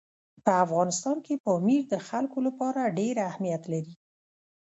په افغانستان کې پامیر د خلکو لپاره ډېر اهمیت لري.